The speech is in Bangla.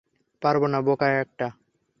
পারবো না, বোকা একটা।